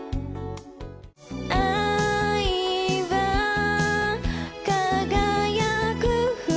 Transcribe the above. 「愛は輝く舟」